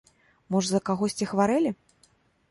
Можа, за кагосьці хварэлі?